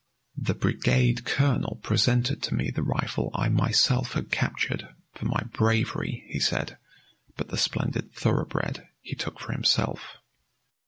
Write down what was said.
The brigade colonel presented to me the rifle I myself had captured, for my "bravery," he said, but the splendid thoroughbred he took for himself.